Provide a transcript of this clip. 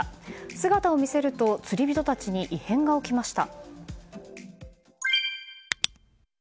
姿を見せると釣り人たちに異変が起きました。